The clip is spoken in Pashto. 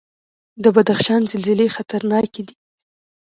د بدخشان زلزلې خطرناکې دي